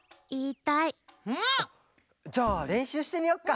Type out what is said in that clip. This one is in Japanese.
うん？じゃあれんしゅうしてみよっか！